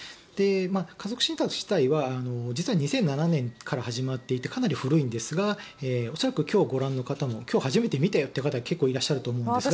家族信託自体は実は２００７年から始まっていてかなり古いんですが恐らく今日ご覧の方も今日初めて見たよという方は結構いらっしゃると思うんですが。